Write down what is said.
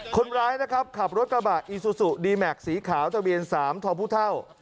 คนร้ายนะครับขับรถกระบะอีซูซูดีแม็กซสีขาวทะเบียน๓ทอพุเท่า